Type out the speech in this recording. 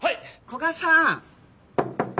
古雅さん！